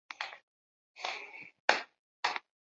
东武铁道股份有限公司的组成企业之一。